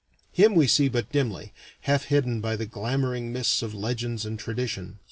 Him we see but dimly, half hidden by the glamouring mists of legends and tradition.